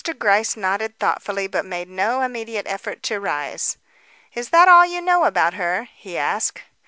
Gryce nodded thoughtfully, but made no immediate effort to rise. "Is that all you know about her?" he asked.